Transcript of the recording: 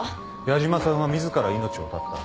矢島さんは自ら命を絶った。